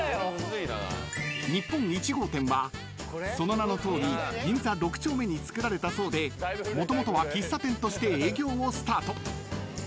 ［日本一号店はその名のとおり銀座六丁目につくられたそうでもともとは喫茶店として営業をスタート］